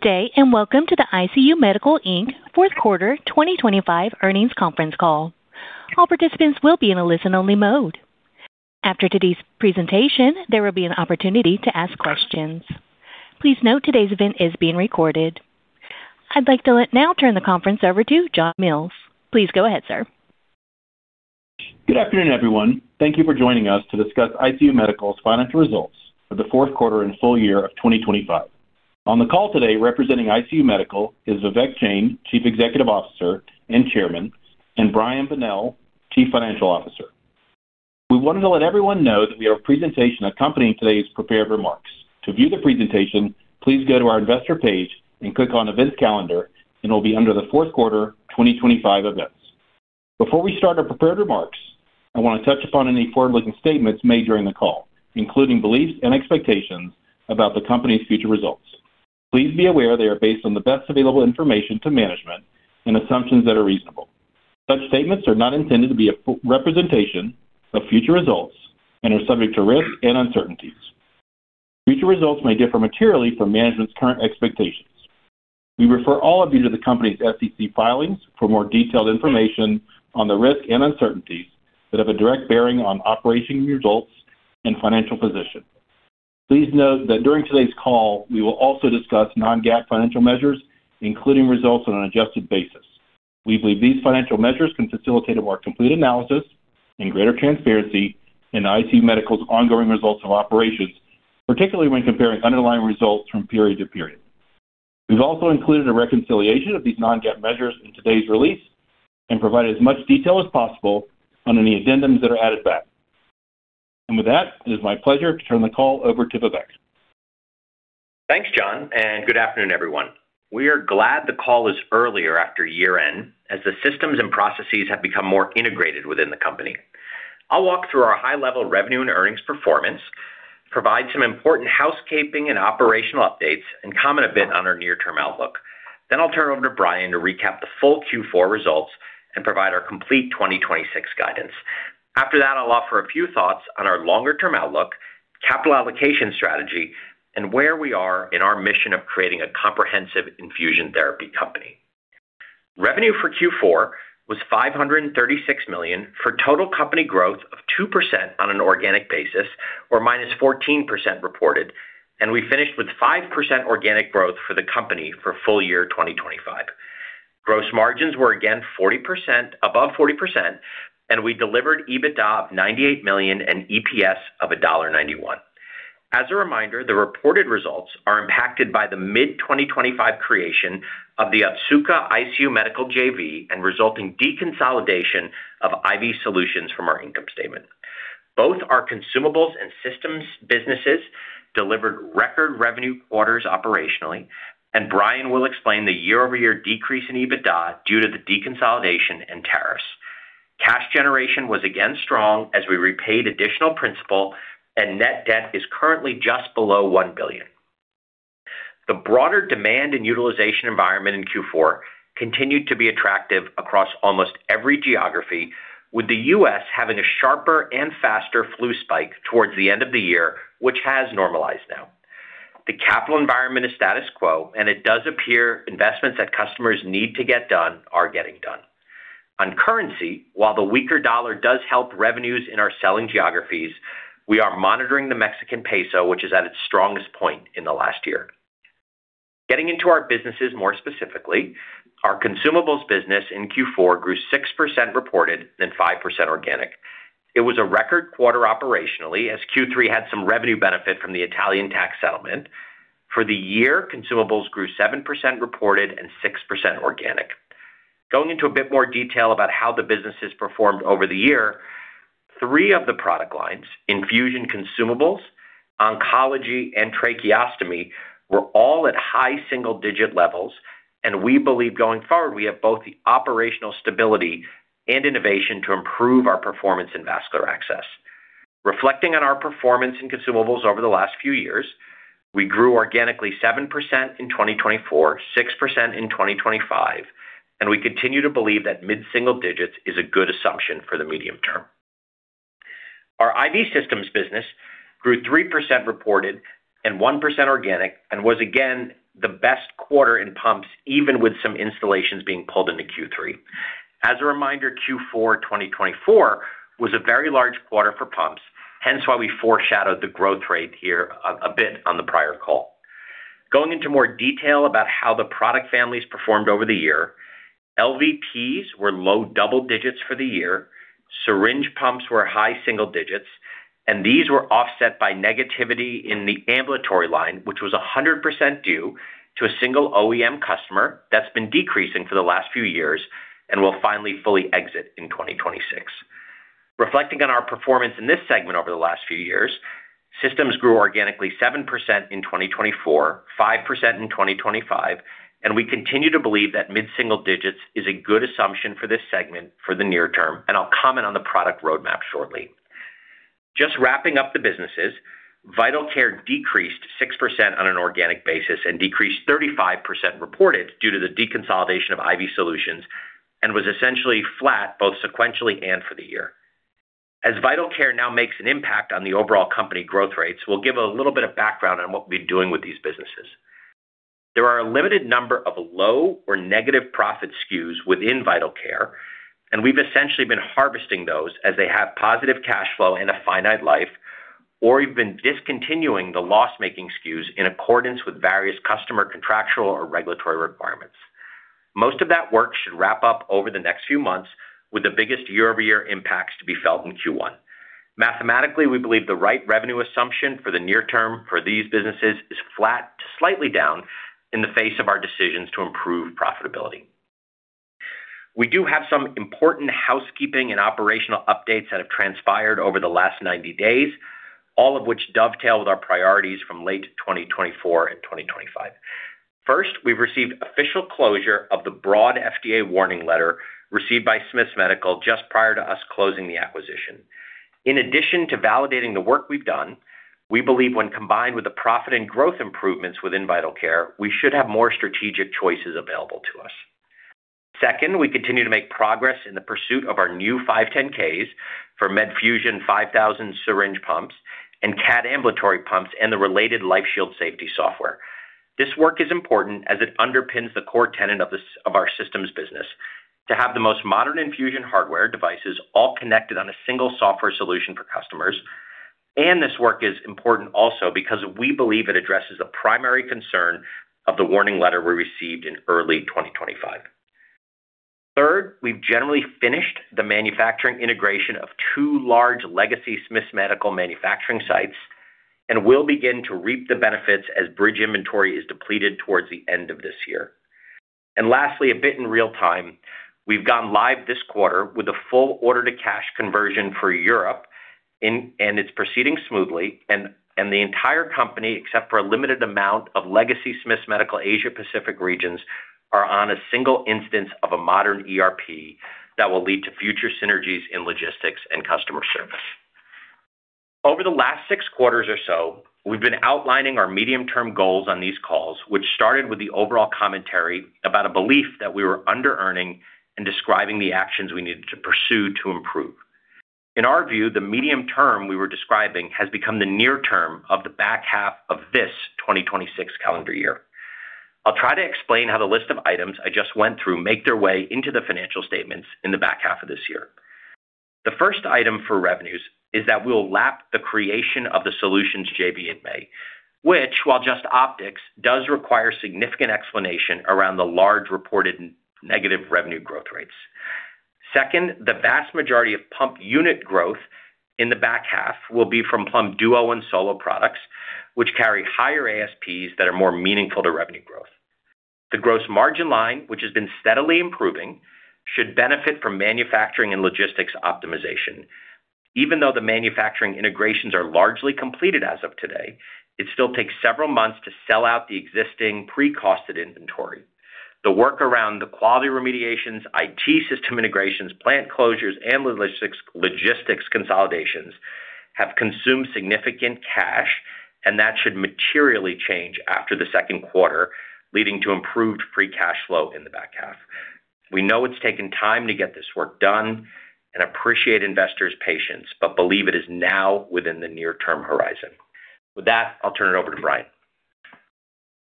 Good day, and welcome to the ICU Medical, Inc., fourth quarter 2025 earnings conference call. All participants will be in a listen-only mode. After today's presentation, there will be an opportunity to ask questions. Please note, today's event is being recorded. I'd like to now turn the conference over to John Mills. Please go ahead, sir. Good afternoon, everyone. Thank you for joining us to discuss ICU Medical's financial results for the fourth quarter and full year of 2025. On the call today, representing ICU Medical, is Vivek Jain, Chief Executive Officer and Chairman, and Brian Bonnell, Chief Financial Officer. We wanted to let everyone know that we have a presentation accompanying today's prepared remarks. To view the presentation, please go to our investor page and click on Events Calendar, and it'll be under the fourth quarter 2025 events. Before we start our prepared remarks, I want to touch upon any forward-looking statements made during the call, including beliefs and expectations about the company's future results. Please be aware they are based on the best available information to management and assumptions that are reasonable. Such statements are not intended to be a representation of future results and are subject to risk and uncertainties. Future results may differ materially from management's current expectations. We refer all of you to the company's SEC filings for more detailed information on the risks and uncertainties that have a direct bearing on operating results and financial position. Please note that during today's call, we will also discuss non-GAAP financial measures, including results on an adjusted basis. We believe these financial measures can facilitate a more complete analysis and greater transparency in ICU Medical's ongoing results of operations, particularly when comparing underlying results from period to period. We've also included a reconciliation of these non-GAAP measures in today's release and provide as much detail as possible under the addendums that are added back. And with that, it is my pleasure to turn the call over to Vivek. Thanks, John, and good afternoon, everyone. We are glad the call is earlier after year-end, as the systems and processes have become more integrated within the company. I'll walk through our high-level revenue and earnings performance, provide some important housekeeping and operational updates, and comment a bit on our near-term outlook. Then I'll turn it over to Brian to recap the full Q4 results and provide our complete 2026 guidance. After that, I'll offer a few thoughts on our longer-term outlook, capital allocation strategy, and where we are in our mission of creating a comprehensive infusion therapy company. Revenue for Q4 was $536 million, for total company growth of 2% on an organic basis or -14% reported, and we finished with 5% organic growth for the company for full year 2025. Gross margins were again 40%, above 40%, and we delivered EBITDA of $98 million and EPS of $1.91. As a reminder, the reported results are impacted by the mid-2025 creation of the Otsuka ICU Medical JV and resulting deconsolidation of IV Solutions from our income statement. Both our consumables and systems businesses delivered record revenue quarters operationally, and Brian will explain the year-over-year decrease in EBITDA due to the deconsolidation and tariffs. Cash generation was again strong as we repaid additional principal, and net debt is currently just below $1 billion. The broader demand and utilization environment in Q4 continued to be attractive across almost every geography, with the U.S. having a sharper and faster flu spike towards the end of the year, which has normalized now. The capital environment is status quo, and it does appear investments that customers need to get done are getting done. On currency, while the weaker U.S. dollar does help revenues in our selling geographies, we are monitoring the Mexican peso, which is at its strongest point in the last year. Getting into our businesses more specifically, our consumables business in Q4 grew 6% reported, then 5% organic. It was a record quarter operationally, as Q3 had some revenue benefit from the Italian tax settlement. For the year, consumables grew 7% reported and 6% organic. Going into a bit more detail about how the business has performed over the year, three of the product lines, infusion consumables, oncology, and tracheostomy, were all at high single-digit levels, and we believe going forward, we have both the operational stability and innovation to improve our performance in vascular access. Reflecting on our performance in consumables over the last few years, we grew organically 7% in 2024, 6% in 2025, and we continue to believe that mid-single digits is a good assumption for the medium term. Our IV systems business grew 3% reported and 1% organic and was again the best quarter in Pumps, even with some installations being pulled into Q3. As a reminder, Q4 2024 was a very large quarter for Pumps, hence why we foreshadowed the growth rate here a bit on the prior call. Going into more detail about how the product families performed over the year, LVPs were low double digits for the year, Syringe Pumps were high single digits, and these were offset by negativity in the Ambulatory line, which was 100% due to a single OEM customer that's been decreasing for the last few years and will finally fully exit in 2026. Reflecting on our performance in this segment over the last few years, systems grew organically 7% in 2024, 5% in 2025, and we continue to believe that mid-single digits is a good assumption for this segment for the near term, and I'll comment on the product roadmap shortly. Just wrapping up the businesses, Vital Care decreased 6% on an organic basis and decreased 35% reported due to the deconsolidation of IV Solutions and was essentially flat both sequentially and for the year. As Vital Care now makes an impact on the overall company growth rates, we'll give a little bit of background on what we'll be doing with these businesses. There are a limited number of low or negative profit SKUs within Vital Care, and we've essentially been harvesting those as they have positive cash flow and a finite life, or we've been discontinuing the loss-making SKUs in accordance with various customer contractual or regulatory requirements. Most of that work should wrap up over the next few months, with the biggest year-over-year impacts to be felt in Q1. Mathematically, we believe the right revenue assumption for the near term for these businesses is flat to slightly down in the face of our decisions to improve profitability. We do have some important housekeeping and operational updates that have transpired over the last 90 days, all of which dovetail with our priorities from late 2024 and 2025. First, we've received official closure of the broad FDA warning letter received by Smiths Medical just prior to us closing the acquisition. In addition to validating the work we've done, we believe when combined with the profit and growth improvements within Vital Care, we should have more strategic choices available to us. Second, we continue to make progress in the pursuit of our new 510(k)s for Medfusion 5000 Syringe Pumps and CADD Ambulatory Pumps, and the related LifeShield safety software. This work is important as it underpins the core tenet of this, of our systems business: to have the most modern infusion hardware devices all connected on a single software solution for customers, and this work is important also because we believe it addresses the primary concern of the warning letter we received in early 2025. Third, we've generally finished the manufacturing integration of two large legacy Smiths Medical manufacturing sites and will begin to reap the benefits as bridge inventory is depleted towards the end of this year. And lastly, a bit in real time, we've gone live this quarter with a full order-to-cash conversion for Europe, and it's proceeding smoothly. The entire company, except for a limited amount of legacy Smiths Medical Asia Pacific regions, are on a single instance of a modern ERP that will lead to future synergies in logistics and customer service. Over the last six quarters or so, we've been outlining our medium-term goals on these calls, which started with the overall commentary about a belief that we were under-earning and describing the actions we needed to pursue to improve. In our view, the medium term we were describing has become the near term of the back half of this 2026 calendar year. I'll try to explain how the list of items I just went through make their way into the financial statements in the back half of this year. The first item for revenues is that we'll lap the creation of the solutions JV in May, which, while just optics, does require significant explanation around the large reported negative revenue growth rates. Second, the vast majority of pump unit growth in the back half will be from Plum Duo and Solo products, which carry higher ASPs that are more meaningful to revenue growth. The gross margin line, which has been steadily improving, should benefit from manufacturing and logistics optimization. Even though the manufacturing integrations are largely completed as of today, it still takes several months to sell out the existing pre-costed inventory. The work around the quality remediations, IT system integrations, plant closures, and logistics consolidations have consumed significant cash, and that should materially change after the second quarter, leading to improved free cash flow in the back half. We know it's taken time to get this work done and appreciate investors' patience, but believe it is now within the near-term horizon. With that, I'll turn it over to Brian.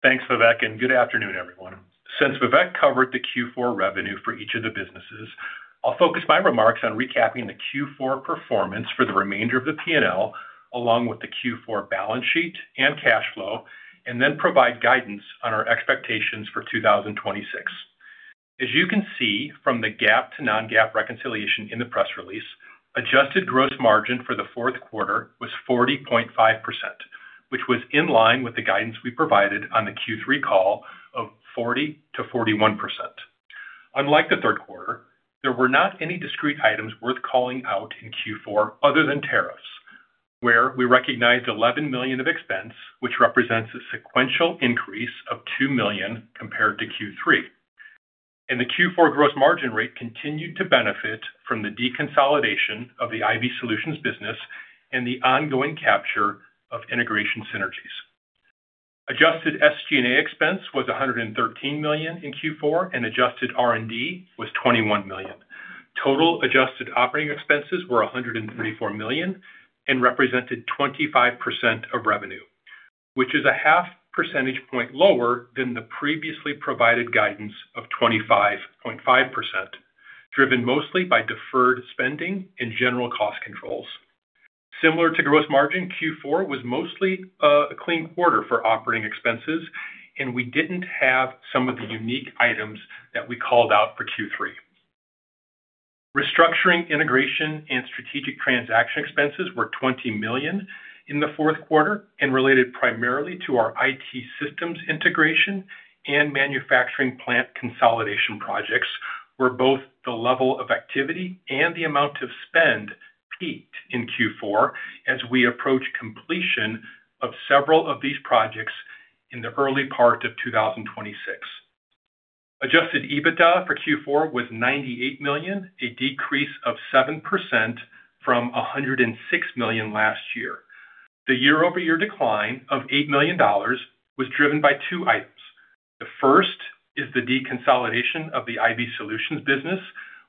Thanks, Vivek, and good afternoon, everyone. Since Vivek covered the Q4 revenue for each of the businesses, I'll focus my remarks on recapping the Q4 performance for the remainder of the P&L, along with the Q4 balance sheet and cash flow, and then provide guidance on our expectations for 2026. As you can see from the GAAP to non-GAAP reconciliation in the press release, adjusted gross margin for the fourth quarter was 40.5%, which was in line with the guidance we provided on the Q3 call of 40%-41%. Unlike the third quarter, there were not any discrete items worth calling out in Q4 other than tariffs, where we recognized $11 million of expense, which represents a sequential increase of $2 million compared to Q3. Q4 gross margin rate continued to benefit from the deconsolidation of the IV Solutions business and the ongoing capture of integration synergies. Adjusted SG&A expense was $113 million in Q4, and adjusted R&D was $21 million. Total adjusted operating expenses were $134 million and represented 25% of revenue, which is a half percentage point lower than the previously provided guidance of 25.5%, driven mostly by deferred spending and general cost controls. Similar to gross margin, Q4 was mostly a clean quarter for operating expenses, and we didn't have some of the unique items that we called out for Q3. Restructuring, integration, and strategic transaction expenses were $20 million in the fourth quarter and related primarily to our IT systems integration and manufacturing plant consolidation projects, where both the level of activity and the amount of spend peaked in Q4 as we approach completion of several of these projects in the early part of 2026. Adjusted EBITDA for Q4 was $98 million, a decrease of 7% from $106 million last year. The year-over-year decline of $8 million was driven by two items: The first is the deconsolidation of the IV Solutions business,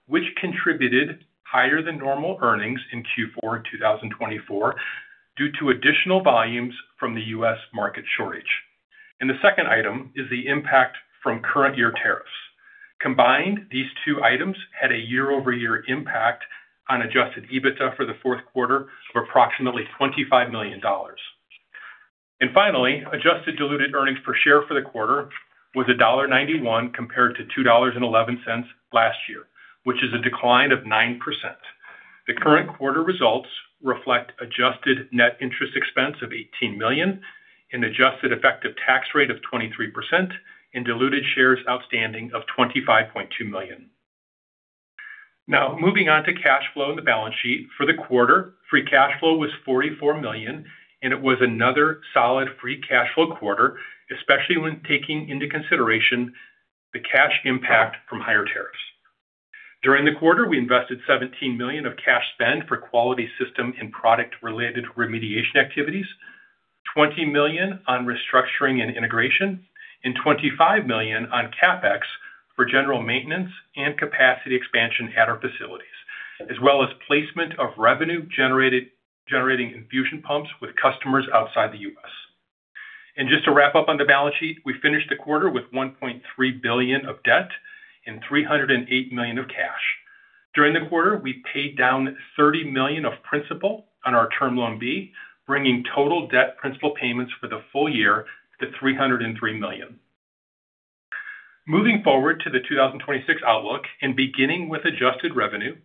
which contributed higher than normal earnings in Q4 2024 due to additional volumes from the U.S. market shortage. And the second item is the impact from current year tariffs. Combined, these two items had a year-over-year impact on Adjusted EBITDA for the fourth quarter of approximately $25 million. Finally, adjusted diluted earnings per share for the quarter was $1.91, compared to $2.11 last year, which is a decline of 9%. The current quarter results reflect adjusted net interest expense of $18 million, an adjusted effective tax rate of 23%, and diluted shares outstanding of 25.2 million. Now, moving on to cash flow and the balance sheet. For the quarter, free cash flow was $44 million, and it was another solid free cash flow quarter, especially when taking into consideration the cash impact from higher tariffs. During the quarter, we invested $17 million of cash spend for quality system and product-related remediation activities, $20 million on restructuring and integration, and $25 million on CapEx for general maintenance and capacity expansion at our facilities, as well as placement of revenue-generating infusion pumps with customers outside the U.S.. Just to wrap up on the balance sheet, we finished the quarter with $1.3 billion of debt and $308 million of cash. During the quarter, we paid down $30 million of principal on our Term Loan B, bringing total debt principal payments for the full year to $303 million. Moving forward to the 2026 outlook, and beginning with adjusted revenue,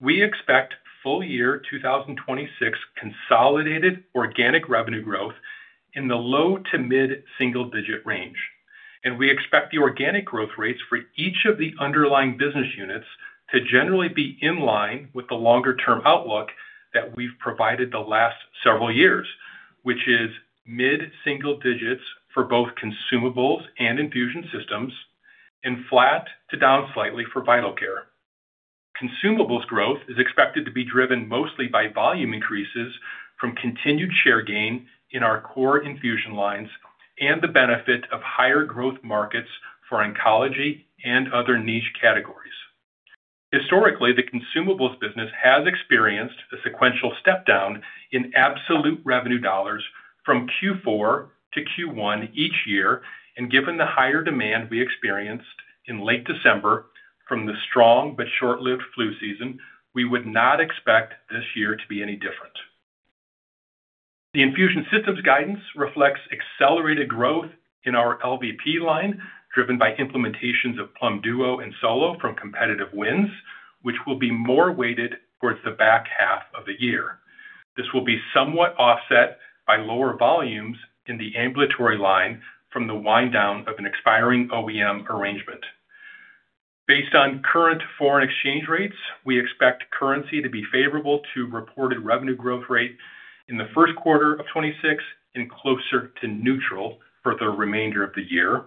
we expect full-year 2026 consolidated organic revenue growth in the low- to mid-single-digit range. We expect the organic growth rates for each of the underlying business units to generally be in line with the longer-term outlook that we've provided the last several years, which is mid-single digits for both consumables and infusion systems, and flat to down slightly for vital care. Consumables growth is expected to be driven mostly by volume increases from continued share gain in our core infusion lines and the benefit of higher growth markets for oncology and other niche categories. Historically, the consumables business has experienced a sequential step down in absolute revenue dollars from Q4 to Q1 each year, and given the higher demand we experienced in late December from the strong but short-lived flu season, we would not expect this year to be any different. The infusion systems guidance reflects accelerated growth in our LVP line, driven by implementations of Plum Duo and Plum Solo from competitive wins, which will be more weighted towards the back half of the year. This will be somewhat offset by lower volumes in the Ambulatory line from the wind down of an expiring OEM arrangement. Based on current foreign exchange rates, we expect currency to be favorable to reported revenue growth rate in the first quarter of 2026 and closer to neutral for the remainder of the year.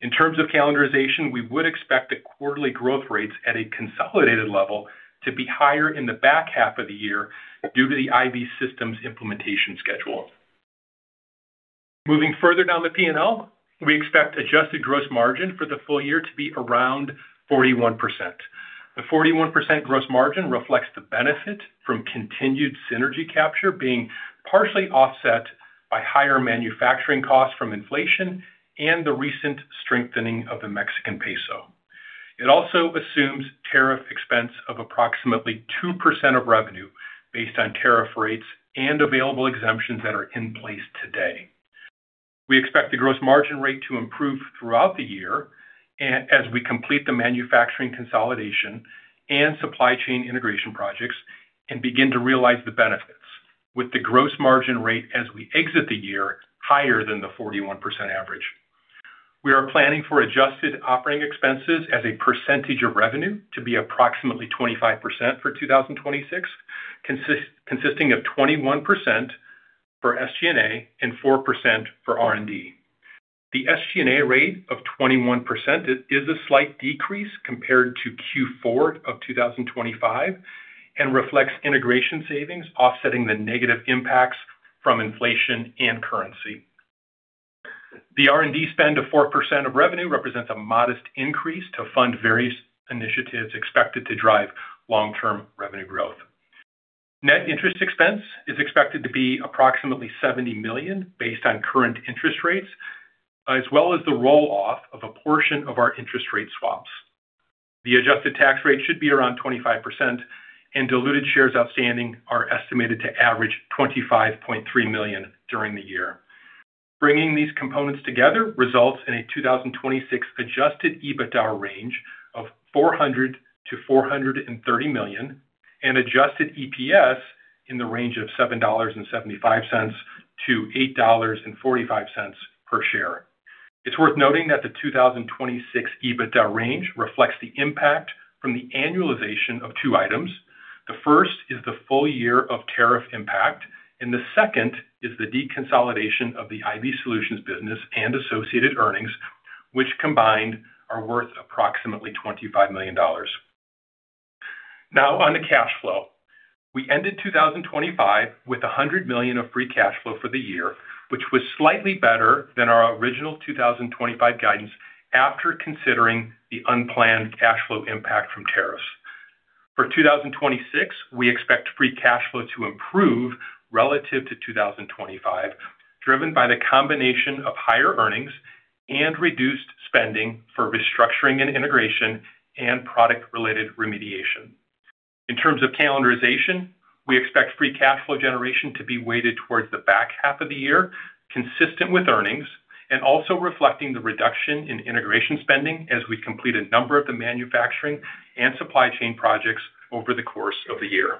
In terms of calendarization, we would expect the quarterly growth rates at a consolidated level to be higher in the back half of the year due to the IV systems implementation schedule. Moving further down the P&L, we expect adjusted gross margin for the full year to be around 41%. The 41% gross margin reflects the benefit from continued synergy capture, being partially offset by higher manufacturing costs from inflation and the recent strengthening of the Mexican peso. It also assumes tariff expense of approximately 2% of revenue based on tariff rates and available exemptions that are in place today. We expect the gross margin rate to improve throughout the year as we complete the manufacturing consolidation and supply chain integration projects and begin to realize the benefits, with the gross margin rate as we exit the year higher than the 41% average. We are planning for adjusted operating expenses as a percentage of revenue to be approximately 25% for 2026, consisting of 21% for SG&A and 4% for R&D. The SG&A rate of 21% is a slight decrease compared to Q4 of 2025 and reflects integration savings offsetting the negative impacts from inflation and currency. The R&D spend of 4% of revenue represents a modest increase to fund various initiatives expected to drive long-term revenue growth. Net interest expense is expected to be approximately $70 million based on current interest rates, as well as the roll-off of a portion of our interest rate swaps. The adjusted tax rate should be around 25%, and diluted shares outstanding are estimated to average 25.3 million during the year. Bringing these components together results in a 2026 Adjusted EBITDA range of $400 million-$430 million, and adjusted EPS in the range of $7.75-$8.45 per share. It's worth noting that the 2026 EBITDA range reflects the impact from the annualization of two items. The first is the full year of tariff impact, and the second is the deconsolidation of the IV Solutions business and associated earnings, which combined are worth approximately $25 million. Now on to cash flow. We ended 2025 with $100 million of free cash flow for the year, which was slightly better than our original 2025 guidance, after considering the unplanned cash flow impact from tariffs. For 2026, we expect free cash flow to improve relative to 2025, driven by the combination of higher earnings and reduced spending for restructuring and integration and product-related remediation. In terms of calendarization, we expect free cash flow generation to be weighted towards the back half of the year, consistent with earnings, and also reflecting the reduction in integration spending as we complete a number of the manufacturing and supply chain projects over the course of the year.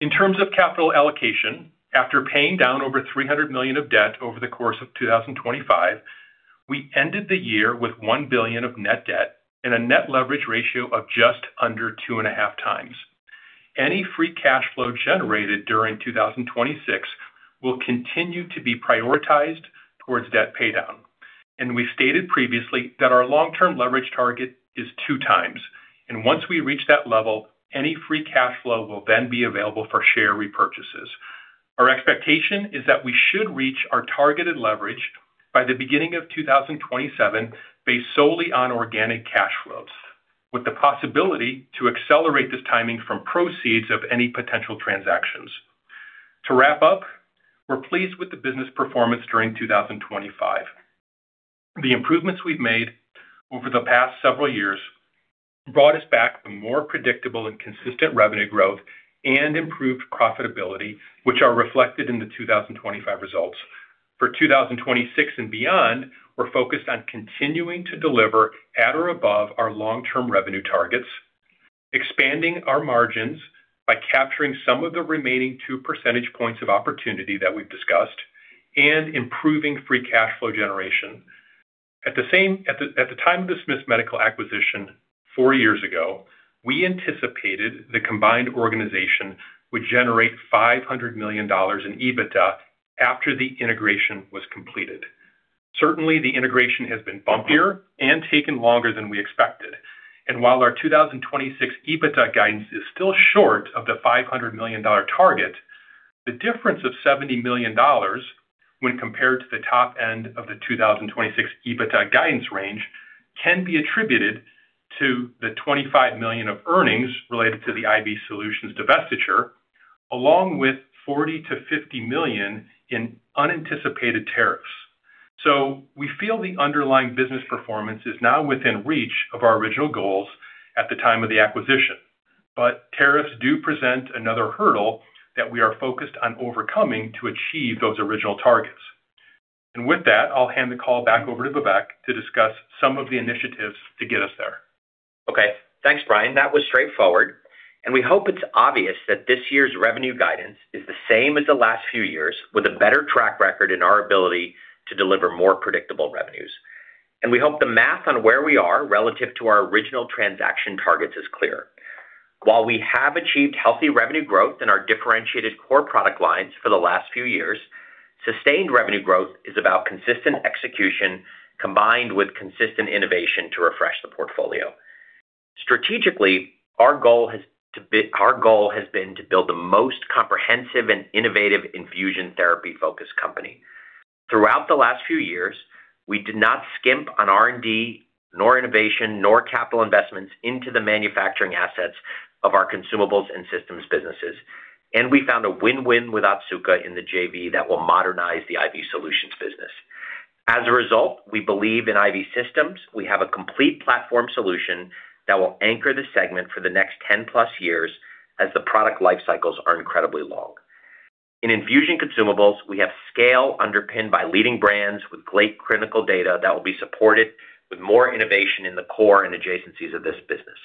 In terms of capital allocation, after paying down over $300 million of debt over the course of 2025, we ended the year with $1 billion of net debt and a net leverage ratio of just under 2.5x. Any free cash flow generated during 2026 will continue to be prioritized towards debt paydown. We've stated previously that our long-term leverage target is 2x, and once we reach that level, any free cash flow will then be available for share repurchases. Our expectation is that we should reach our targeted leverage by the beginning of 2027, based solely on organic cash flows, with the possibility to accelerate this timing from proceeds of any potential transactions. To wrap up, we're pleased with the business performance during 2025. The improvements we've made over the past several years brought us back to more predictable and consistent revenue growth and improved profitability, which are reflected in the 2025 results. For 2026 and beyond, we're focused on continuing to deliver at or above our long-term revenue targets, expanding our margins by capturing some of the remaining 2 percentage points of opportunity that we've discussed, and improving free cash flow generation. At the same time of the Smiths Medical acquisition four years ago, we anticipated the combined organization would generate $500 million in EBITDA after the integration was completed. Certainly, the integration has been bumpier and taken longer than we expected, and while our 2026 EBITDA guidance is still short of the $500 million target, the difference of $70 million when compared to the top end of the 2026 EBITDA guidance range, can be attributed to the $25 million of earnings related to the IV Solutions divestiture, along with $40 million-$50 million in unanticipated tariffs. We feel the underlying business performance is now within reach of our original goals at the time of the acquisition. Tariffs do present another hurdle that we are focused on overcoming to achieve those original targets. With that, I'll hand the call back over to Vivek to discuss some of the initiatives to get us there. Okay, thanks, Brian. That was straightforward, and we hope it's obvious that this year's revenue guidance is the same as the last few years, with a better track record in our ability to deliver more predictable revenues. We hope the math on where we are relative to our original transaction targets is clear. While we have achieved healthy revenue growth in our differentiated core product lines for the last few years, sustained revenue growth is about consistent execution, combined with consistent innovation to refresh the portfolio. Strategically, our goal has to be—our goal has been to build the most comprehensive and innovative Infusion Therapy-focused company. Throughout the last few years, we did not skimp on R&D, nor innovation, nor capital investments into the manufacturing assets of our consumables and systems businesses, and we found a win-win with Otsuka in the JV that will modernize the IV Solutions business. As a result, we believe in IV systems, we have a complete platform solution that will anchor the segment for the next 10+ years as the product life cycles are incredibly long. In infusion consumables, we have scale underpinned by leading brands with great clinical data that will be supported with more innovation in the core and adjacencies of this business.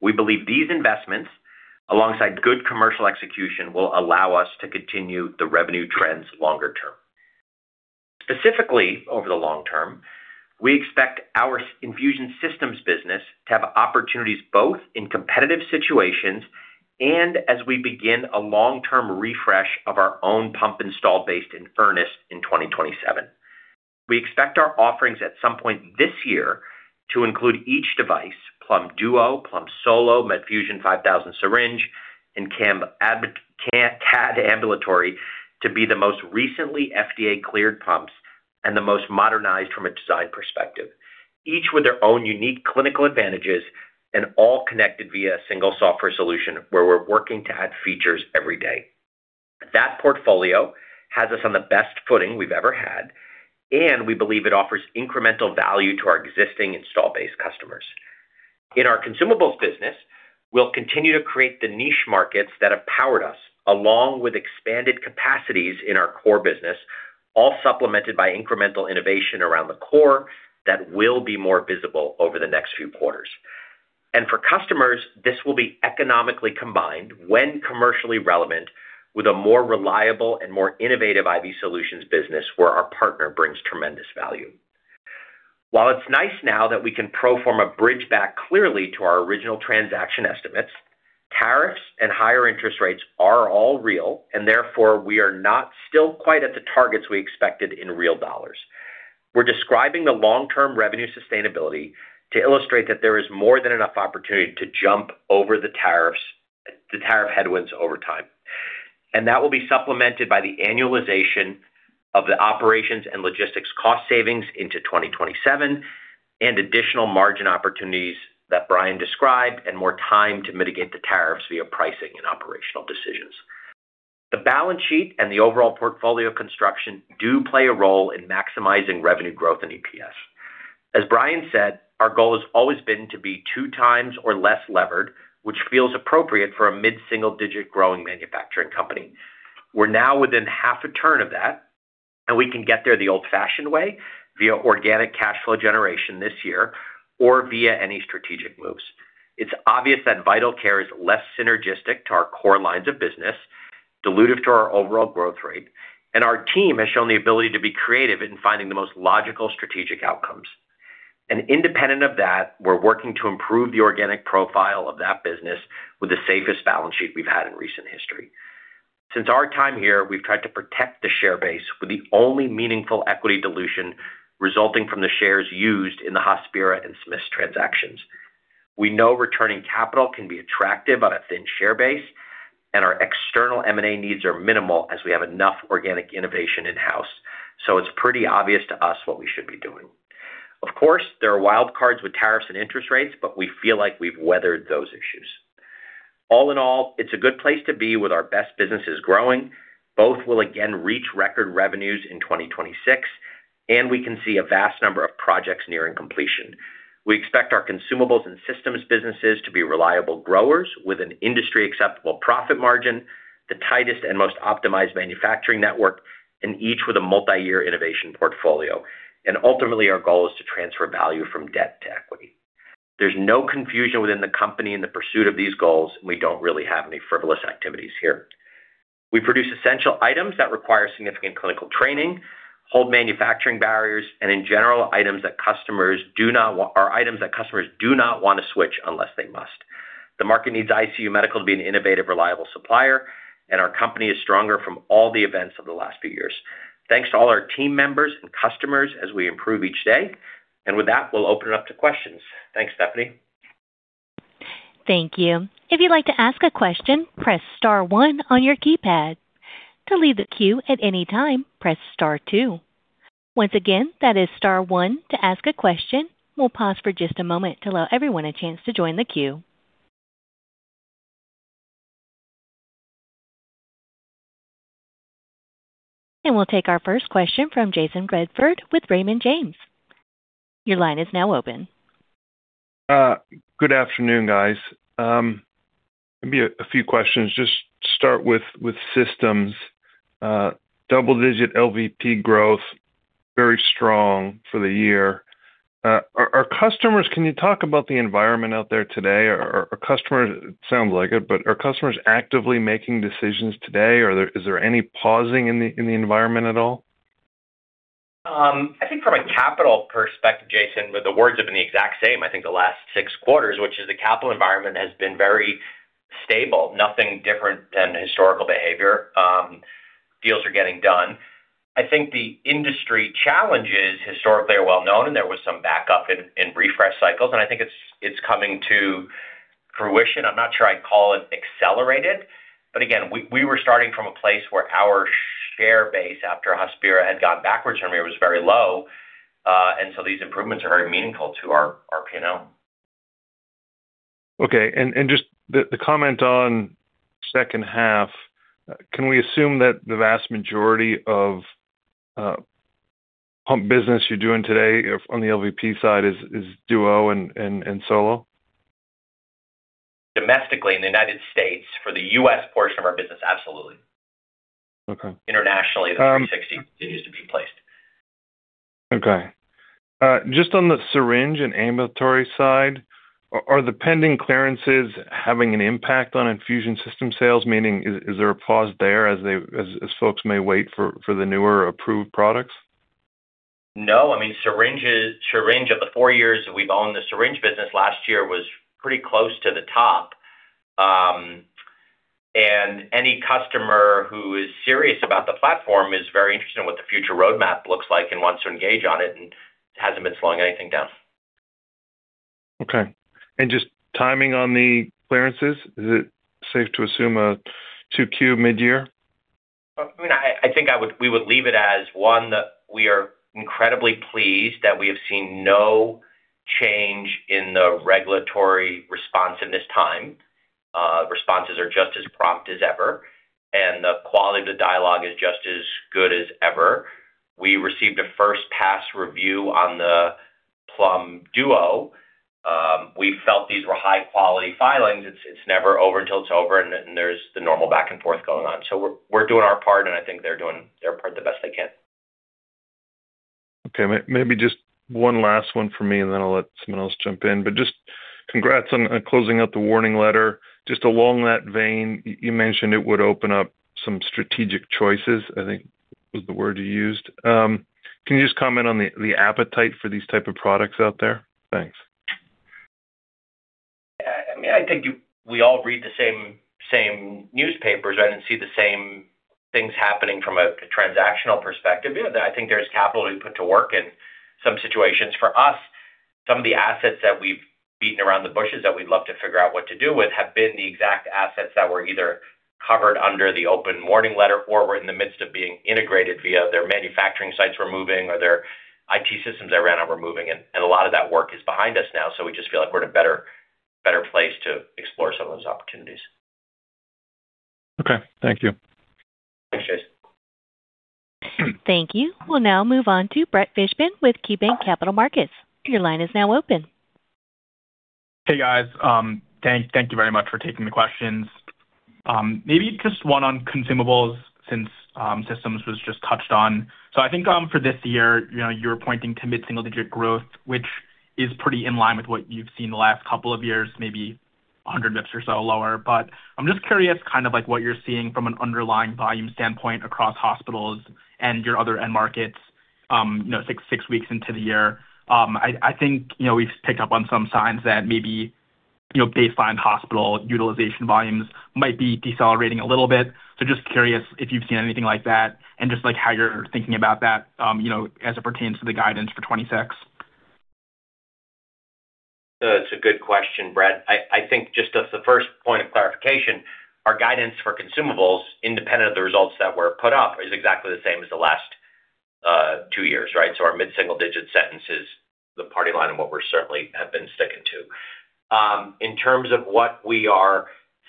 We believe these investments, alongside good commercial execution, will allow us to continue the revenue trends longer term. Specifically, over the long term, we expect our infusion systems business to have opportunities both in competitive situations and as we begin a long-term refresh of our own pump install base in earnest in 2027. We expect our offerings at some point this year to include each device, Plum Duo, Plum Solo, Medfusion 5000 Syringe, and CADD Ambulatory, to be the most recently FDA-cleared pumps and the most modernized from a design perspective. Each with their own unique clinical advantages and all connected via a single software solution, where we're working to add features every day. That portfolio has us on the best footing we've ever had, and we believe it offers incremental value to our existing install base customers. In our consumables business, we'll continue to create the niche markets that have powered us, along with expanded capacities in our core business, all supplemented by incremental innovation around the core that will be more visible over the next few quarters. For customers, this will be economically combined when commercially relevant, with a more reliable and more innovative IV Solutions business, where our partner brings tremendous value. While it's nice now that we can pro forma bridge back clearly to our original transaction estimates. Tariffs and higher interest rates are all real, and therefore we are not still quite at the targets we expected in real dollars. We're describing the long-term revenue sustainability to illustrate that there is more than enough opportunity to jump over the tariffs, the tariff headwinds over time, and that will be supplemented by the annualization of the operations and logistics cost savings into 2027, and additional margin opportunities that Brian described, and more time to mitigate the tariffs via pricing and operational decisions. The balance sheet and the overall portfolio construction do play a role in maximizing revenue growth in EPS. As Brian said, our goal has always been to be 2x or less levered, which feels appropriate for a mid-single-digit growing manufacturing company. We're now within half a turn of that, and we can get there the old-fashioned way, via organic cash flow generation this year, or via any strategic moves. It's obvious that Critical Care is less synergistic to our core lines of business, dilutive to our overall growth rate, and our team has shown the ability to be creative in finding the most logical strategic outcomes. And independent of that, we're working to improve the organic profile of that business with the safest balance sheet we've had in recent history. Since our time here, we've tried to protect the share base with the only meaningful equity dilution resulting from the shares used in the Hospira and Smiths transactions. We know returning capital can be attractive on a thin share base, and our external M&A needs are minimal as we have enough organic innovation in-house. So it's pretty obvious to us what we should be doing. Of course, there are wild cards with tariffs and interest rates, but we feel like we've weathered those issues. All in all, it's a good place to be with our best businesses growing. Both will again reach record revenues in 2026, and we can see a vast number of projects nearing completion. We expect our consumables and systems businesses to be reliable growers with an industry-acceptable profit margin, the tightest and most optimized manufacturing network, and each with a multi-year innovation portfolio. And ultimately, our goal is to transfer value from debt to equity. There's no confusion within the company in the pursuit of these goals, and we don't really have any frivolous activities here. We produce essential items that require significant clinical training, hold manufacturing barriers, and in general, are items that customers do not want to switch unless they must. The market needs ICU Medical to be an innovative, reliable supplier, and our company is stronger from all the events of the last few years. Thanks to all our team members and customers as we improve each day. With that, we'll open it up to questions. Thanks, Stephanie. Thank you. If you'd like to ask a question, press star one on your keypad. To leave the queue at any time, press star two. Once again, that is star one to ask a question. We'll pause for just a moment to allow everyone a chance to join the queue. We'll take our first question from Jayson Bedford with Raymond James. Your line is now open. Good afternoon, guys. Maybe a few questions. Just start with systems, double-digit LVP growth, very strong for the year. Are customers —can you talk about the environment out there today? Are customers, sounds like it, but are customers actively making decisions today, or is there any pausing in the environment at all? I think from a capital perspective, Jayson, the words have been the exact same, I think, the last six quarters, which is the capital environment has been very stable, nothing different than historical behavior. Deals are getting done. I think the industry challenges historically are well known, and there was some backup in refresh cycles, and I think it's coming to fruition. I'm not sure I'd call it accelerated, but again, we were starting from a place where our share base after Hospira had gotten backwards, and it was very low. And so these improvements are very meaningful to our P&L. Okay, and just the comment on second half, can we assume that the vast majority of pump business you're doing today on the LVP side is Duo and Solo? Domestically, in the United States, for the U.S. portion of our business, absolutely. Okay. Internationally, the 360 continues to be placed. Okay. Just on the Syringe and Ambulatory side, are the pending clearances having an impact on infusion system sales? Meaning, is there a pause there as folks may wait for the newer approved products? No. I mean, Syringes, Syringe of the four years that we've owned the Syringe business, last year was pretty close to the top. Any customer who is serious about the platform is very interested in what the future roadmap looks like and wants to engage on it and hasn't been slowing anything down. Okay. And just timing on the clearances, is it safe to assume a 2Q mid-year? I mean, I think we would leave it as one, that we are incredibly pleased that we have seen no change in the regulatory response in this time. Responses are just as prompt as ever, and the quality of the dialogue is just as good as ever. We received a first pass review on the Plum Duo. We felt these were high-quality filings. It's never over until it's over, and then there's the normal back and forth going on. So we're doing our part, and I think they're doing their part the best they can. Okay, maybe just one last one for me, and then I'll let someone else jump in. But just congrats on closing out the warning letter. Just along that vein, you mentioned it would open up some strategic choices, I think, was the word you used. Can you just comment on the appetite for these type of products out there? Thanks. I mean, I think you, we all read the same newspapers and see the same things happening from a transactional perspective. Yeah, I think there's capital to be put to work in some situations. For us, some of the assets that we've beaten around the bushes, that we'd love to figure out what to do with, have been the exact assets that were either covered under the open warning letter or were in the midst of being integrated via their manufacturing sites we're moving or their IT systems they ran on were moving, and a lot of that work is behind us now. So we just feel like we're in a better place to explore some of those opportunities. Okay. Thank you. Thanks, Jayson. Thank you. We'll now move on to Brett Fishbin with KeyBanc Capital Markets. Your line is now open. Hey, guys. Thank you very much for taking the questions. Maybe just one on consumables since systems was just touched on. So I think, for this year, you know, you're pointing to mid-single-digit growth, which is pretty in line with what you've seen the last couple of years, maybe 100 basis points or so lower. But I'm just curious, kind of like what you're seeing from an underlying volume standpoint across hospitals and your other end markets, you know, six weeks into the year. I think, you know, we've picked up on some signs that maybe, you know, baseline hospital utilization volumes might be decelerating a little bit. So just curious if you've seen anything like that and just, like, how you're thinking about that, you know, as it pertains to the guidance for 2026. That's a good question, Brett. I think just as the first point of clarification, our guidance for consumables, independent of the results that were put up, is exactly the same as the last two years, right? So our mid-single-digit stance is the party line and what we're certainly have been sticking to. In terms of what we are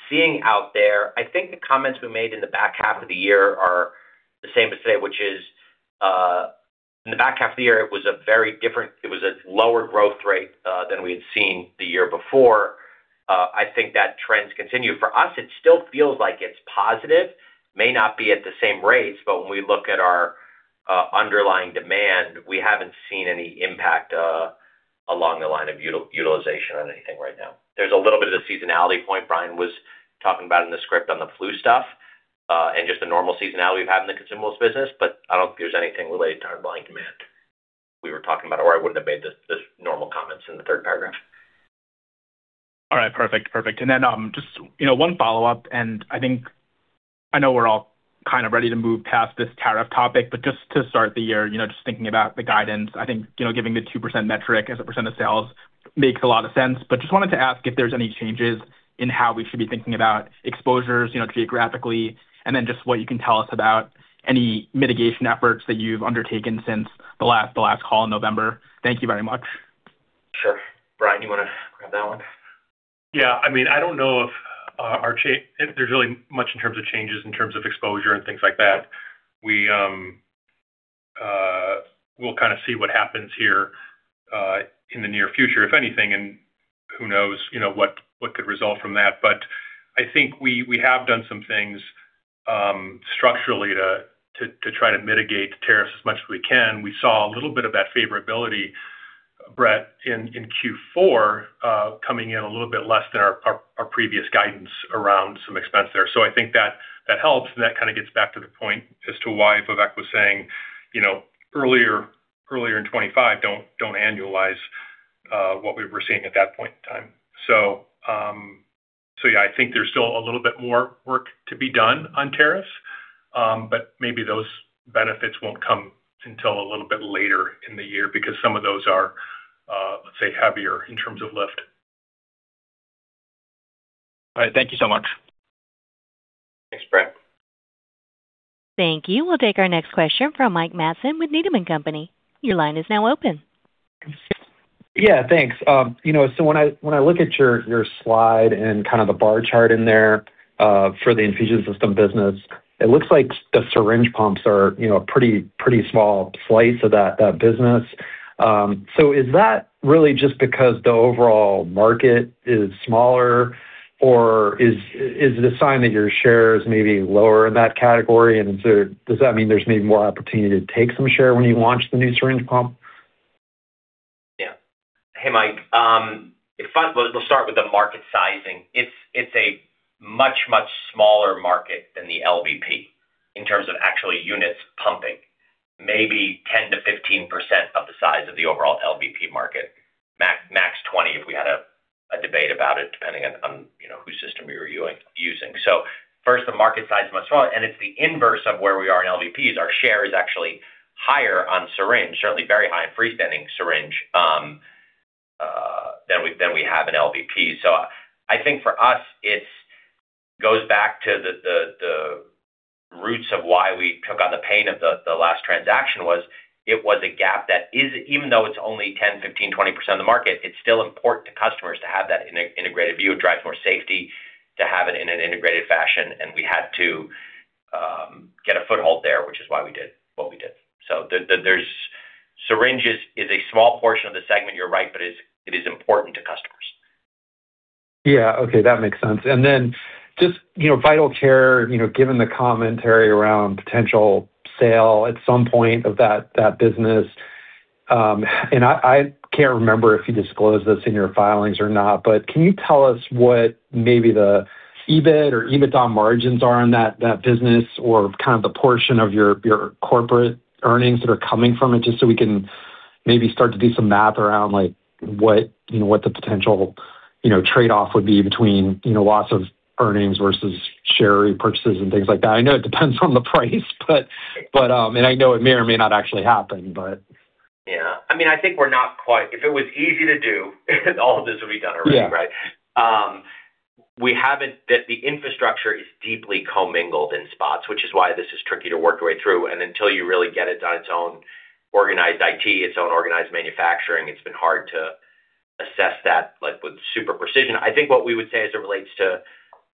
seeing out there, I think the comments we made in the back half of the year are the same to say, which is, in the back half of the year, it was a very different, it was a lower growth rate than we had seen the year before. I think that trend's continued. For us, it still feels like it's positive. May not be at the same rates, but when we look at our underlying demand, we haven't seen any impact along the line of utilization on anything right now. There's a little bit of the seasonality point Brian was talking about in the script on the flu stuff, and just the normal seasonality we've had in the consumables business, but I don't think there's anything related to underlying demand we were talking about, or I wouldn't have made the normal comments in the third paragraph. All right, perfect. Perfect. And then, just, you know, one follow-up, and I think I know we're all kind of ready to move past this tariff topic, but just to start the year, you know, just thinking about the guidance, I think, you know, giving the 2% metric as a percent of sales makes a lot of sense. But just wanted to ask if there's any changes in how we should be thinking about exposures, you know, geographically, and then just what you can tell us about any mitigation efforts that you've undertaken since the last call in November. Thank you very much. Sure. Brian, do you want to grab that one? Yeah. I mean, I don't know if there's really much in terms of changes in terms of exposure and things like that. We'll kind of see what happens here in the near future, if anything, and who knows, you know, what could result from that. But I think we have done some things structurally to try to mitigate tariffs as much as we can. We saw a little bit of that favorability, Brett, in Q4 coming in a little bit less than our previous guidance around some expense there. So I think that helps, and that kind of gets back to the point as to why Vivek was saying, you know, earlier in 2025, don't annualize what we were seeing at that point in time. So, yeah, I think there's still a little bit more work to be done on tariffs, but maybe those benefits won't come until a little bit later in the year because some of those are, let's say, heavier in terms of lift. All right. Thank you so much. Thanks, Brett. Thank you. We'll take our next question from Mike Matson with Needham & Company. Your line is now open. Yeah, thanks. You know, when I look at your slide and kind of the bar chart in there for the infusion system business, it looks like the Syringe Pumps are, you know, a pretty, pretty small slice of that business. Is that really just because the overall market is smaller, or is it a sign that your share is maybe lower in that category, and does that mean there's maybe more opportunity to take some share when you launch the new Syringe Pump? Yeah. Hey, Mike, we'll start with the market sizing. It's a much, much smaller market than the LVP in terms of actually units pumping. Maybe 10%-15% of the size of the overall LVP market, max 20, if we had a debate about it, depending on you know whose system we were using. So first, the market size is much smaller, and it's the inverse of where we are in LVPs. Our share is actually higher on Syringe, certainly very high in freestanding Syringe, than we have in LVP. So I think for us, it goes back to the roots of why we took on the pain of the last transaction was, it was a gap that is, even though it's only 10, 15, 20% of the market, it's still important to customers to have that an integrated view. It drives more safety to have it in an integrated fashion, and we had to get a foothold there, which is why we did what we did. So the Syringe is a small portion of the segment, you're right, but it is important to customers. Yeah. Okay, that makes sense. And then just, you know, Critical Care, you know, given the commentary around potential sale at some point of that business. And I can't remember if you disclosed this in your filings or not, but can you tell us what maybe the EBIT or EBITDA margins are on that business or kind of the portion of your corporate earnings that are coming from it, just so we can maybe start to do some math around, like what, you know, what the potential trade-off would be between loss of earnings versus share repurchases and things like that? I know it depends on the price, but, and I know it may or may not actually happen, but. Yeah, I mean, I think we're not quite. If it was easy to do, all of this would be done already, right? Yeah. We haven't, that the infrastructure is deeply commingled in spots, which is why this is tricky to work your way through. And until you really get it on its own organized IT, its own organized manufacturing, it's been hard to assess that, like, with super precision. I think what we would say as it relates to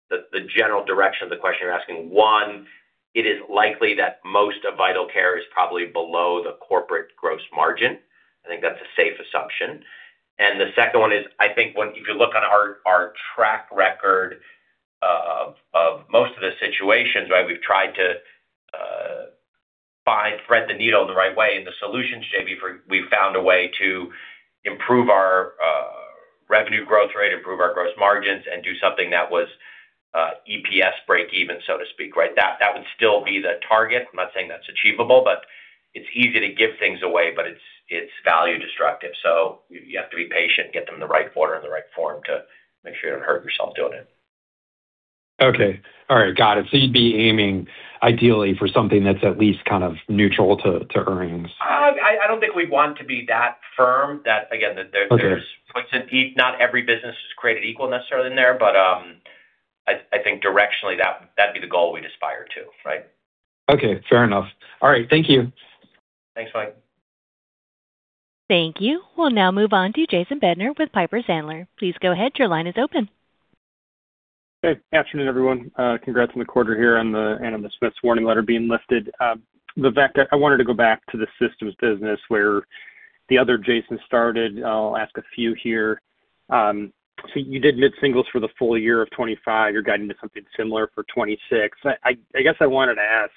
the, the general direction of the question you're asking, one, it is likely that most of Vital Care is probably below the corporate gross margin. I think that's a safe assumption. And the second one is, I think when you look on our, our track record of most of the situations, right, we've tried to find, thread the needle in the right way, and the solutions, JV, for we've found a way to improve our revenue growth rate, improve our gross margins, and do something that was EPS breakeven, so to speak, right? That would still be the target. I'm not saying that's achievable, but it's easy to give things away, but it's value destructive, so you have to be patient, get them in the right order, in the right form, to make sure you don't hurt yourself doing it. Okay. All right. Got it. So you'd be aiming ideally for something that's at least kind of neutral to earnings. I don't think we'd want to be that firm, that again, that there's— Okay. Not every business is created equal necessarily in there, but I think directionally, that'd be the goal we'd aspire to, right? Okay, fair enough. All right. Thank you. Thanks, Mike. Thank you. We'll now move on to Jason Bednar with Piper Sandler. Please go ahead. Your line is open. Hey, afternoon, everyone. Congrats on the quarter here and on the Smiths warning letter being lifted. Vivek, I wanted to go back to the systems business where the other Jason started. I'll ask a few here. So you did mid-singles for the full year of 2025. You're guiding to something similar for 2026. I guess I wanted to ask,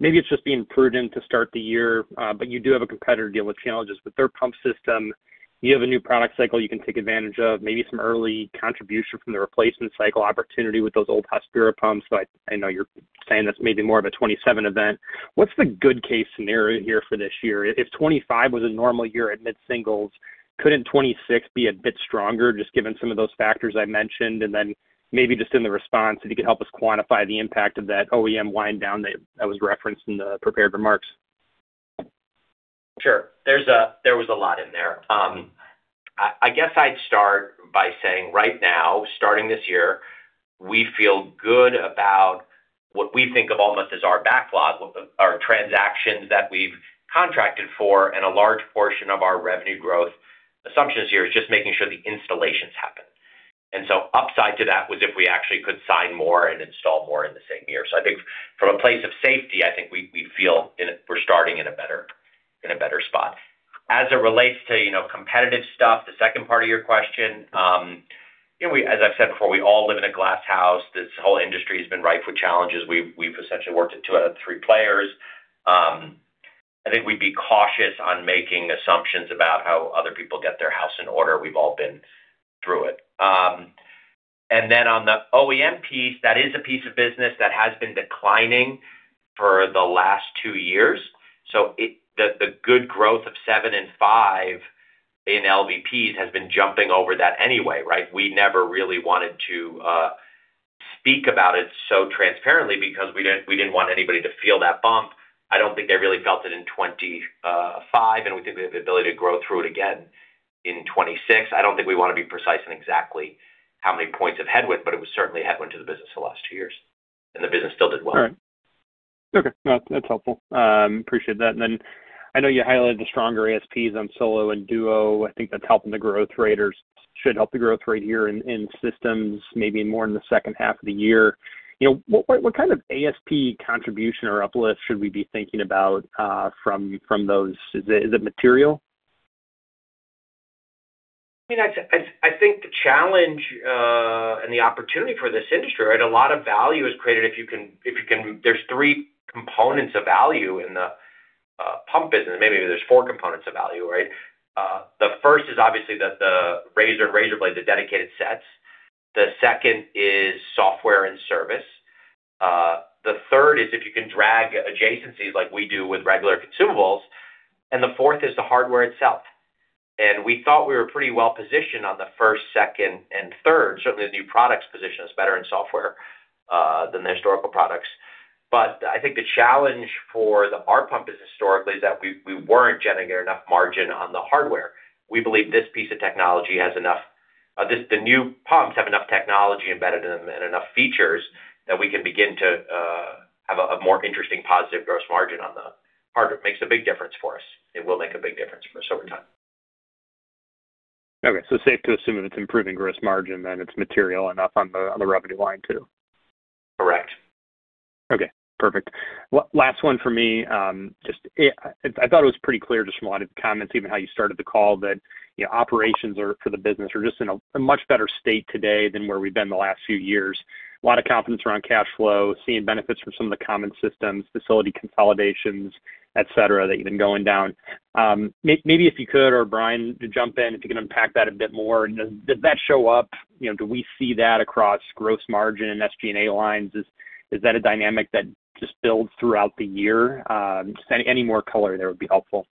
maybe it's just being prudent to start the year, but you do have a competitor dealing with challenges with their pump system. You have a new product cycle you can take advantage of, maybe some early contribution from the replacement cycle opportunity with those old Hospira pumps. So I know you're saying that's maybe more of a 2027 event. What's the good case scenario here for this year? If 2025 was a normal year at mid-singles, couldn't 2026 be a bit stronger, just given some of those factors I mentioned? And then maybe just in the response, if you could help us quantify the impact of that OEM wind down that was referenced in the prepared remarks. Sure. There was a lot in there. I guess I'd start by saying right now, starting this year, we feel good about what we think of almost as our backlog, our transactions that we've contracted for, and a large portion of our revenue growth assumptions here is just making sure the installations happen. And so upside to that was if we actually could sign more and install more in the same year. So I think from a place of safety, I think we feel we're starting in a better spot. As it relates to, you know, competitive stuff, the second part of your question, you know, we—as I've said before, we all live in a glass house. This whole industry has been rife with challenges. We've essentially worked it two out of three players. I think we'd be cautious on making assumptions about how other people get their house in order. We've all been through it. And then on the OEM piece, that is a piece of business that has been declining for the last two years. So, the good growth of 7% and 5% in LVPs has been jumping over that anyway, right? We never really wanted to speak about it so transparently because we didn't, we didn't want anybody to feel that bump. I don't think they really felt it in 2025, and we think we have the ability to grow through it again in 2026. I don't think we want to be precise on exactly how many points of headwind, but it was certainly a headwind to the business the last two years, and the business still did well. All right. Okay, that's helpful. Appreciate that. And then I know you highlighted the stronger ASPs on Solo and Duo. I think that's helping the growth rate or should help the growth rate here in systems, maybe more in the second half of the year. You know, what kind of ASP contribution or uplift should we be thinking about from those? Is it material? I mean, I think the challenge and the opportunity for this industry, right? A lot of value is created if you can. There's three components of value in the pump business. Maybe there's four components of value, right? The first is obviously that the razor and razor blade, the dedicated sets. The second is software and service. The third is if you can drag adjacencies like we do with regular consumables, and the fourth is the hardware itself. And we thought we were pretty well positioned on the first, second, and third. Certainly, the new products position us better in software than the historical products. But I think the challenge for our pump historically is that we weren't generating enough margin on the hardware. We believe this piece of technology has enough. The new Pumps have enough technology embedded in them and enough features that we can begin to have a more interesting positive gross margin on the part. It makes a big difference for us. It will make a big difference for us over time. Okay, safe to assume that it's improving gross margin, then it's material enough on the revenue line, too? Okay, perfect. Well, last one for me. I thought it was pretty clear just from a lot of the comments, even how you started the call, that, you know, operations are, for the business, are just in a much better state today than where we've been the last few years. A lot of confidence around cash flow, seeing benefits from some of the common systems, facility consolidations, et cetera, that you've been going down. Maybe if you could, or Brian, to jump in, if you can unpack that a bit more, and does that show up? You know, do we see that across gross margin and SG&A lines? Is that a dynamic that just builds throughout the year? Just any more color there would be helpful?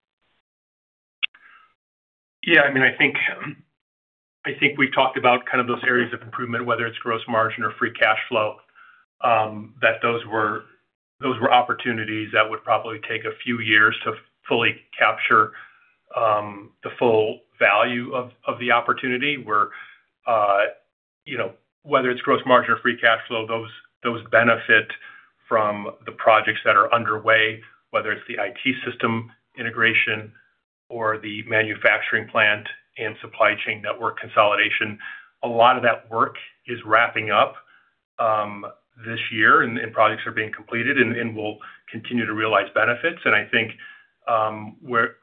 Yeah, I mean, I think, I think we talked about kind of those areas of improvement, whether it's gross margin or free cash flow, that those were, those were opportunities that would probably take a few years to fully capture the full value of the opportunity, where, you know, whether it's gross margin or free cash flow, those, those benefit from the projects that are underway, whether it's the IT system integration or the manufacturing plant and supply chain network consolidation. A lot of that work is wrapping up this year, and projects are being completed, and we'll continue to realize benefits. I think, we're,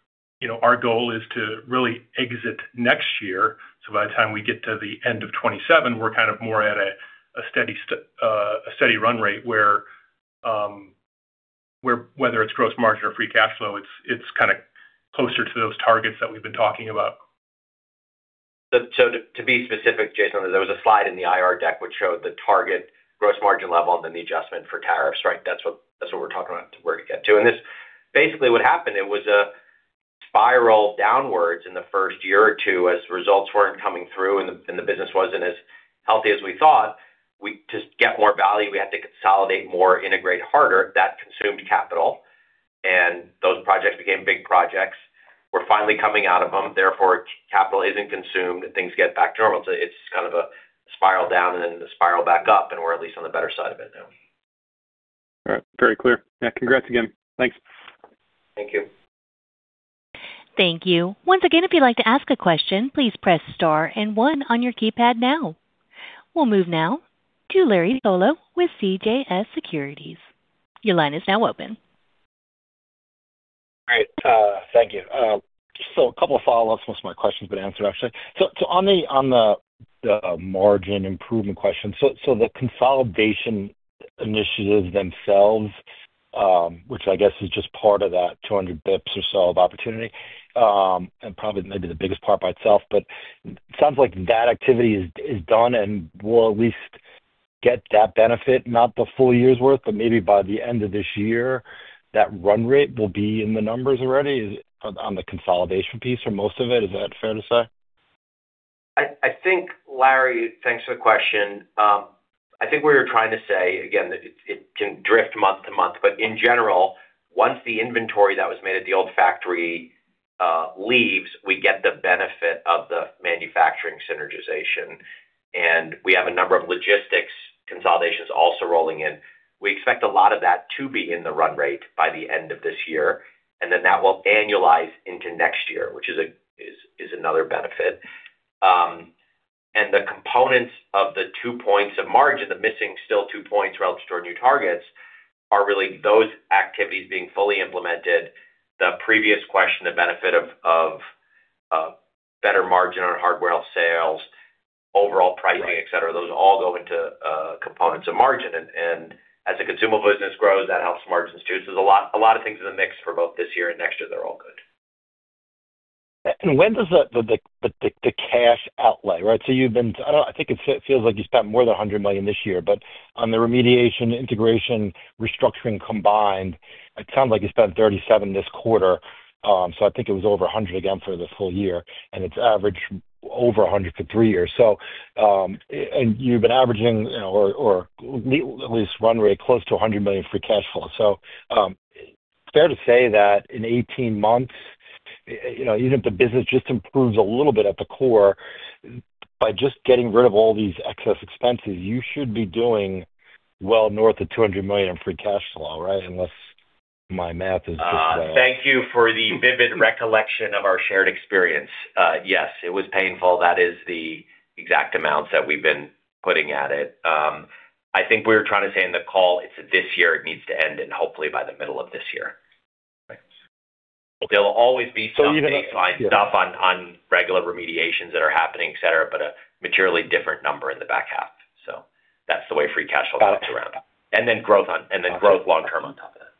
you know, our goal is to really exit next year, so by the time we get to the end of 2027, we're kind of more at a steady run rate, where whether it's gross margin or free cash flow, it's kind of closer to those targets that we've been talking about. So, to be specific, Jason, there was a slide in the IR deck which showed the target gross margin level and then the adjustment for tariffs, right? That's what, that's what we're talking about, where to get to. And basically what happened, it was a spiral downwards in the first year or two as results weren't coming through and the business wasn't as healthy as we thought. To get more value, we had to consolidate more, integrate harder. That consumed capital, and those projects became big projects. We're finally coming out of them, therefore, capital isn't consumed, and things get back to normal. So it's kind of a spiral down and then the spiral back up, and we're at least on the better side of it now. All right. Very clear. Yeah, congrats again. Thanks. Thank you. Thank you. Once again, if you'd like to ask a question, please press Star and one on your keypad now. We'll move now to Larry Solow with CJS Securities. Your line is now open. All right, thank you. So a couple of follow-ups. Most of my questions have been answered, actually. So, so on the, on the, the margin improvement question, so, so the consolidation initiatives themselves, which I guess is just part of that 200 basis points or so of opportunity, and probably maybe the biggest part by itself, but it sounds like that activity is, is done and we'll at least get that benefit, not the full year's worth, but maybe by the end of this year, that run rate will be in the numbers already on, on the consolidation piece or most of it. Is that fair to say? I think, Larry, thanks for the question. I think what we were trying to say, again, it can drift month to month, but in general, once the inventory that was made at the old factory leaves, we get the benefit of the manufacturing synergization, and we have a number of logistics consolidations also rolling in. We expect a lot of that to be in the run rate by the end of this year, and then that will annualize into next year, which is another benefit. And the components of the two points of margin, the missing still two points relative to our new targets, are really those activities being fully implemented. The previous question, the benefit of better margin on hardware sales, overall pricing, et cetera. Those all go into components of margin. And as the consumable business grows, that helps margins, too. So there's a lot, a lot of things in the mix for both this year and next year. They're all good. When does the cash outlay, right? So you've been, I don't think it feels like you spent more than $100 million this year, but on the remediation, integration, restructuring combined, it sounds like you spent $37 million this quarter. So I think it was over $100 million again for this whole year, and it's averaged over $100 million for three years. So and you've been averaging or at least run rate, close to $100 million free cash flow. So fair to say that in 18 months, you know, even if the business just improves a little bit at the core, by just getting rid of all these excess expenses, you should be doing well north of $200 million in free cash flow, right? Unless my math is just— Thank you for the vivid recollection of our shared experience. Yes, it was painful. That is the exact amounts that we've been putting at it. I think we were trying to say in the call, it's this year, it needs to end, and hopefully by the middle of this year. Thanks. There'll always be stuff— So you have— —stuff on regular remediations that are happening, et cetera, but a materially different number in the back half, so that's the way free cash flow gets around. Got it. And then growth on, and then growth long term on top of that.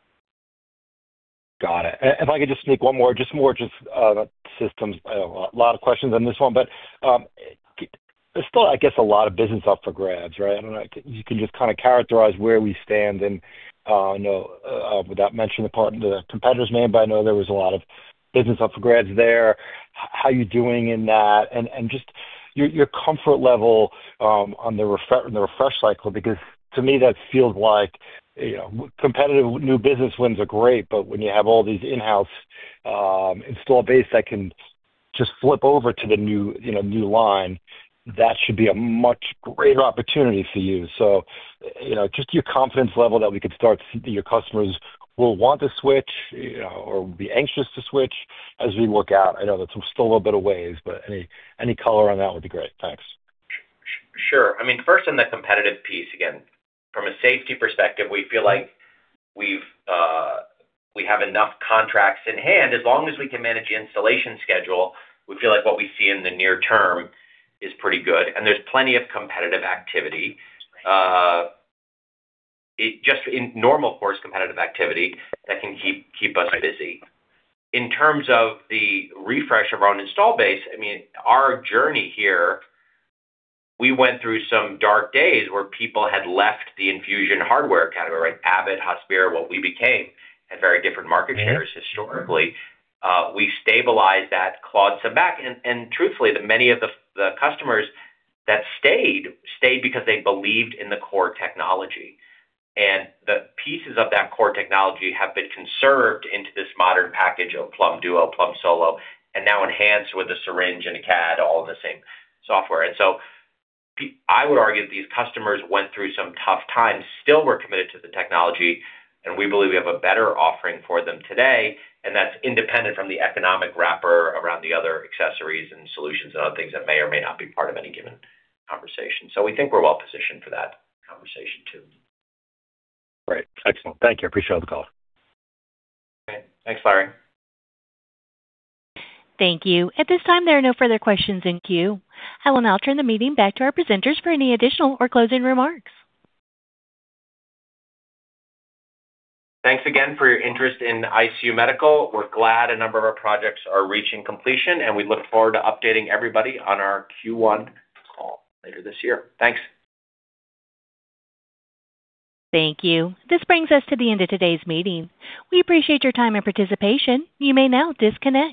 Got it. And if I could just sneak one more on systems. A lot of questions on this one, but there's still, I guess, a lot of business up for grabs, right? I don't know, you can just kind of characterize where we stand and, you know, without mentioning the partner, the competitor's name, but I know there was a lot of business up for grabs there. How are you doing in that? And just your comfort level on the refresh cycle, because to me, that feels like, you know, competitive new business wins are great, but when you have all these in-house install base that can just flip over to the new, you know, new line, that should be a much greater opportunity for you. So, you know, just your confidence level that we could start to see your customers will want to switch, you know, or be anxious to switch as we work out. I know that's still a little bit of ways, but any color on that would be great. Thanks. Sure. I mean, first on the competitive piece, again, from a safety perspective, we feel like we've, we have enough contracts in hand. As long as we can manage the installation schedule, we feel like what we see in the near term is pretty good, and there's plenty of competitive activity. It just in normal course, competitive activity that can keep us busy. In terms of the refresh of our own install base, I mean, our journey here, we went through some dark days where people had left the infusion hardware category, right? Abbott, Hospira, what we became, had very different market shares historically. We stabilized that, clawed some back, and truthfully, that many of the customers that stayed because they believed in the core technology. And the pieces of that core technology have been conserved into this modern package of Plum Duo, Plum Solo, and now enhanced with a Syringe and a CADD, all in the same software. And so I would argue these customers went through some tough times, still were committed to the technology, and we believe we have a better offering for them today, and that's independent from the economic wrapper around the other accessories and solutions and other things that may or may not be part of any given conversation. So we think we're well positioned for that conversation, too. Great. Excellent. Thank you. I appreciate the call. Okay, thanks, Larry. Thank you. At this time, there are no further questions in queue. I will now turn the meeting back to our presenters for any additional or closing remarks. Thanks again for your interest in ICU Medical. We're glad a number of our projects are reaching completion, and we look forward to updating everybody on our Q1 call later this year. Thanks. Thank you. This brings us to the end of today's meeting. We appreciate your time and participation. You may now disconnect.